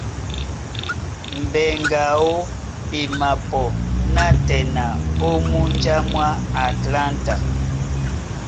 Mbɛŋgɛ aó e mapɔ nátɛna ó múnja mwá Atlanta.